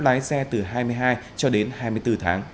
lái xe từ hai mươi hai cho đến hai mươi bốn tháng